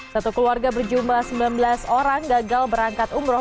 satu keluarga berjumlah sembilan belas orang gagal berangkat umroh